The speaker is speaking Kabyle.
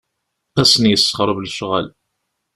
Ad asen-yessexreb lecɣal.